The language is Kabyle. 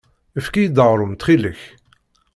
Efk-iyi-d aɣrum ttxil-k.